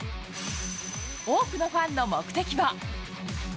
多くのファンの目的は。